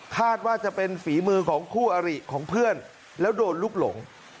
คาดว่าจะเป็นฝีมือของคู่อริของเพื่อนแล้วโดนลูกหลง